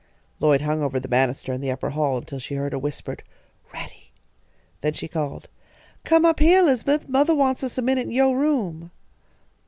Lloyd hung over the banister in the upper hall until she heard a whispered "Ready;" then she called: "Come up heah, Elizabeth, mothah wants us a minute in yo' room."